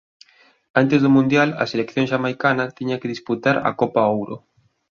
Antes do mundial a selección xamaicana tiña que disputar a Copa Ouro.